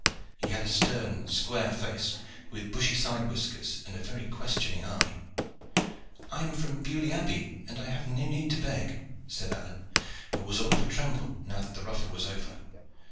He had a stern, square face, with bushy side whiskers and a very questioning eye. "I am from Beaulieu Abbey, and I have no need to beg," said Alleyne, who was all of a tremble now that the ruffle was over.